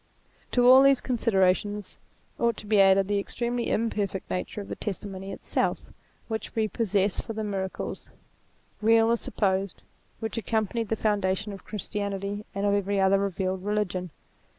To all these considerations ought to be added the extremely imperfect nature of the testimony itself which we possess for the miracles, real or supposed, which accompanied the foundation of Christianity and of every other revealed religion.